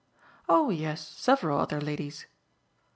"Oh yes, several other ladies."